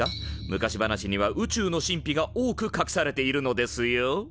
昔話には宇宙の神秘が多くかくされているのですよ。